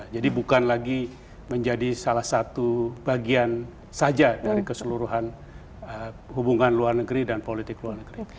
jadi bukan lagi menjadi salah satu bagian saja dari keseluruhan hubungan luar negeri dan politik luar negeri